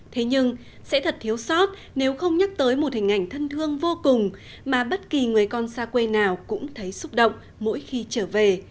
thế nhưng sẽ thật thiếu sót nếu không nhắc tới một hình ảnh thân thương vô cùng mà bất kỳ người con xa quê nào cũng thấy xúc động mỗi khi trở về